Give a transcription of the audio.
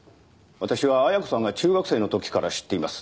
私は亜矢子さんが中学生の時から知っています。